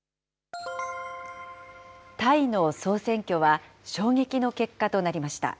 タイの総選挙は衝撃の結果となりました。